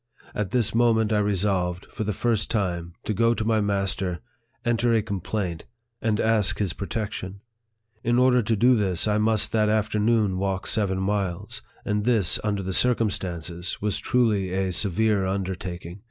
At this moment I resolved, for the first time, to go to my master, enter a complaint, and ask his protection. In order to this, I must that afternoon walk seven miles ; and this, under the cir cumstances, was truly a severe undertaking.